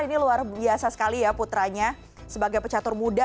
ini luar biasa sekali ya putranya sebagai pecatur muda